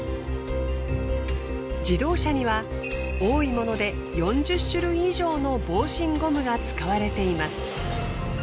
自動車には多いもので４０種類以上の防振ゴムが使われています。